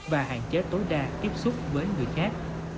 và hạn chế tối đa tiếp xúc với người khác